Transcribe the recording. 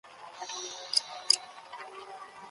څېړونکو د وګړیز او ټولیز سیاسي چلن په اړه بحث کړی دی.